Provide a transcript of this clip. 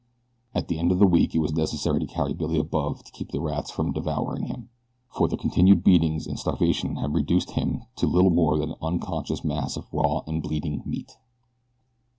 At the end of the week it was necessary to carry Billy above to keep the rats from devouring him, for the continued beatings and starvation had reduced him to little more than an unconscious mass of raw and bleeding meat.